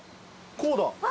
こうだ。